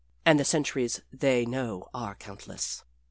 And the centuries they know are countless.